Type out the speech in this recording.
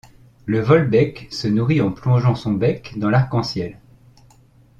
Le volbec se nourrit en plongeant son bec dans l'arc-en-ciel.